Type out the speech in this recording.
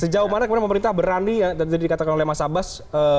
jawabannya kemarin pemerintah berani yang tadi dikatakan oleh mas abbas